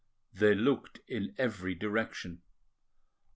They looked in every direction.